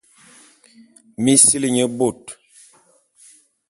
Mi sili nye bôt.